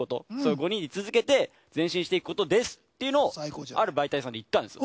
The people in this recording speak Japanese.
５人でい続けて前進していくことですっていうのをある媒体さんで言ったんですよ。